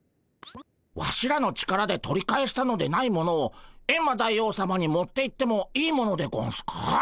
ワシらの力で取り返したのでないものをエンマ大王さまに持っていってもいいものでゴンスか？